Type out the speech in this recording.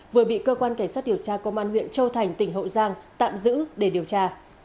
vừa bị cơ quan cảnh sát điều tra công an huyện châu thành tỉnh hậu giang tạm giữ để điều tra